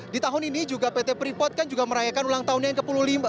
di tahun ini juga pt freeport kan juga merayakan ulang tahunnya yang ke puluh lima